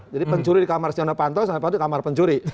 jadi pencuri di kamar si yonah panto sama satu di kamar pencuri